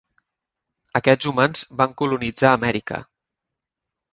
Aquests humans van colonitzar Amèrica.